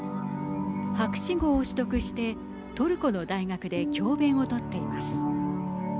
博士号を取得してトルコの大学で教べんをとっています。